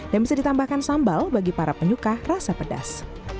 dan bisa ditambahkan sambal bagi para penyuka rasa pedas